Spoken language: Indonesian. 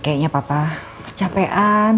mereka pasti percaya esok tuh